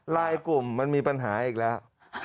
ลายกลุ่มมันมีปัญหาอีกแล้ว